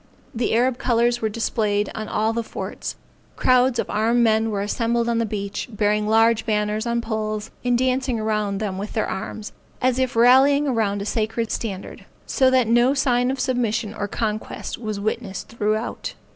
The Arab colors were displayed on all the forts; crowds of armed men were assembled on the beach, bearing large banners on poles, and dancing around them with their arms, as if rallying around a sacred standard, so that no sign of submission or conquest was witnessed throughout.